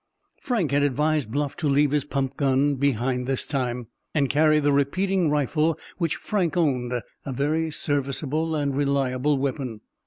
Frank had advised Bluff to leave his pump gun behind this time, and carry the repeating rifle which Frank owned, a very serviceable and reliable weapon.